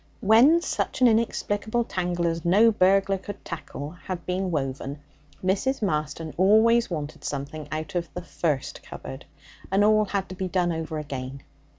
When such an inextricable tangle as no burglar could tackle had been woven, Mrs. Marston always wanted something out of the first cupboard, and all had to be done over again.